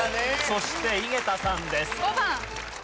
そして井桁さんです。